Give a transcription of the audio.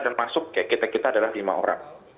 dan masuk kayak kita kita adalah lima orang